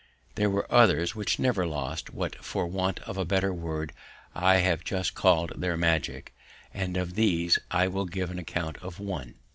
There were others which never lost what for want of a better word I have just called their magic, and of these I will give an account of one.